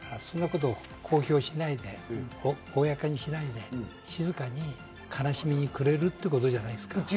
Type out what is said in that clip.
そんなこと公表しないで、公にしないで静かに悲しみにくれるってことじゃないですか？